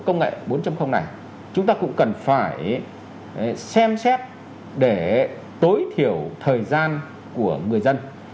công nghệ bốn này chúng ta cũng cần phải xem xét để tối thiểu thời gian của người dân